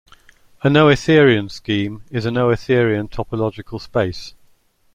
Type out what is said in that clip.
A noetherian scheme is a noetherian topological space.